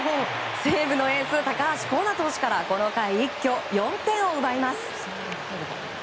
西武のエース高橋光成投手からこの回、一挙４点を奪います。